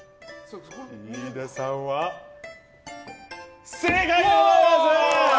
飯田さんは正解でございます！